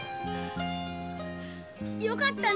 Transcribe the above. よかったね。